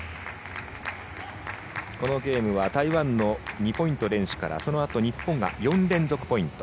このゲームは台湾の２ポイント連取からそのあと日本が４連続ポイント。